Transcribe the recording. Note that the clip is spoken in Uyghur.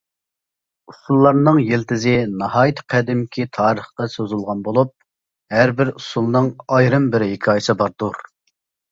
ئۇسسۇللارنىڭ يىلتىزى ناھايىتى قەدىمكى تارىخقا سوزۇلىدىغان بولۇپ، ھەر بىر ئۇسسۇلنىڭ ئايرىم بىر ھېكايىسى باردۇر.